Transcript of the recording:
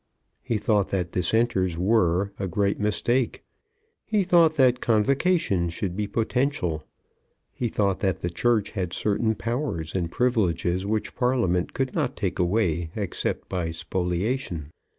He thought that Dissenters were, a great mistake. He thought that Convocation should be potential. He thought that the Church had certain powers and privileges which Parliament could not take away except by spoliation.